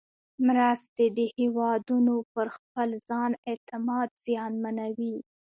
مرستې د هېوادونو پر خپل ځان اعتماد زیانمنوي.